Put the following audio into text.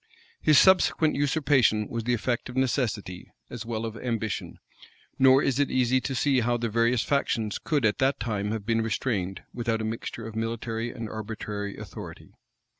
His subsequent usurpation was the effect of necessity, as well as of ambition; nor is it easy to see how the various factions could at that time have been restrained, without a mixture of military and arbitrary authority.